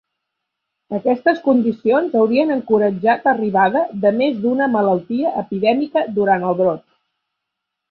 Aquestes condicions haurien encoratjat l'arribada de més d'una malaltia epidèmica durant el brot.